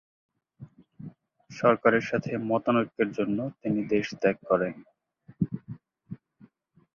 সরকারের সাথে মতানৈক্যের জন্য তিনি দেশ ত্যাগ করেন।